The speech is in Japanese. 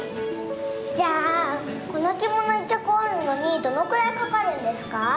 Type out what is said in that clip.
じゃあこのきもの１ちゃくおるのにどのくらいかかるんですか？